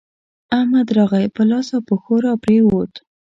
احمد راغی؛ پر لاس او پښو راپرېوت.